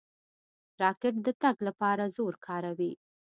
راکټ د تګ لپاره زور کاروي.